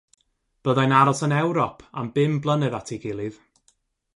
Byddai'n aros yn Ewrop am bum blynedd at ei gilydd.